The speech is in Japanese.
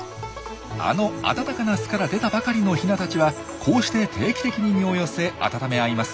あの暖かな巣から出たばかりのヒナたちはこうして定期的に身を寄せ温め合います。